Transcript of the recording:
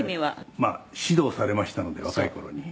「まあ指導されましたので若い頃に」